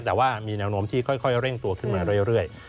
แต่ว่ามีแนวโน้มที่ค่อยเร่งตัวขึ้นมาเรื่อย